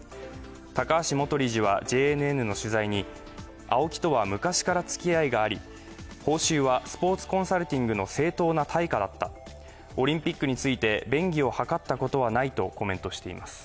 高橋元理事はＪＮＮの取材に、ＡＯＫＩとは昔からつきあいがあり、報酬はスポーツコンサルティングの正当な対価だったオリンピックについて便宜を図ったことはないとコメントしています。